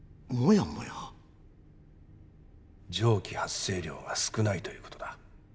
蒸気発生量が少ないということだ。